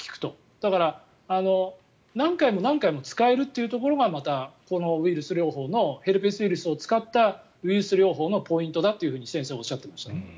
だから、何回も何回も使えるというところがまた、このウイルス療法のヘルペスウイルスを使ったウイルス療法のポイントだと先生はおっしゃってました。